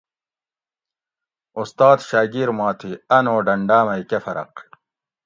اُستاد شاگیر ما تھی اۤن او ڈنڈاۤ مئ کہۤ فرق؟